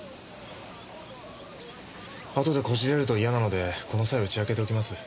あとでこじれると嫌なのでこの際打ち明けておきます。